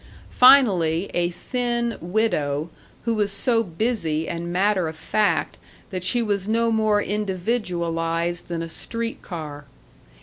Finally, a thin widow, who was so busy and matter of fact that she was no more individualized than a street car.